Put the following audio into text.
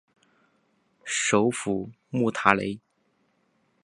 首府穆塔雷。